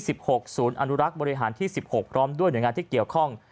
ศูนย์อนุรักษ์บริหารที่๑๖พร้อมด้วยหน่วยงานที่เกี่ยวข้อง